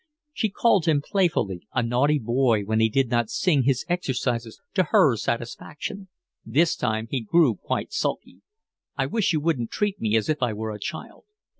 She called him playfully a naughty boy when he did not sing his exercises to her satisfaction. This time he grew quite sulky. "I wish you wouldn't treat me as if I were a child."